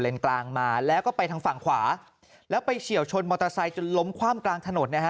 กลางมาแล้วก็ไปทางฝั่งขวาแล้วไปเฉียวชนมอเตอร์ไซค์จนล้มคว่ำกลางถนนนะฮะ